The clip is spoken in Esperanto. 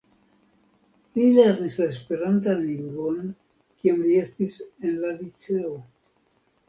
Li lernis la esperantan lingvon kiam li estis en la liceo.